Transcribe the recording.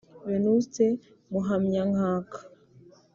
Venuste Muhamyankaka